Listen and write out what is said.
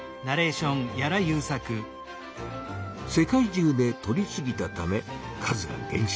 世界中でとりすぎたため数がげん少。